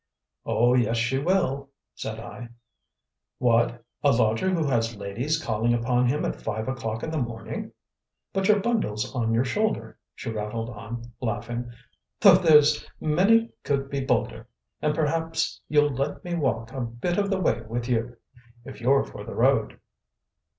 "Oh, yes, she will," said I. "What? A lodger who has ladies calling upon him at five o'clock in the morning? But your bundle's on your shoulder," she rattled on, laughing, "though there's many could be bolder, and perhaps you'll let me walk a bit of the way with you, if you're for the road."